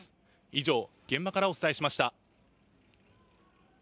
以上、現場からお伝えしました。